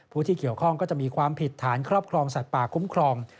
ผู้ที่เกี่ยวข้องก็จะมีความผิดฐานครอบครองสัตว์ป่าคุ้มครอง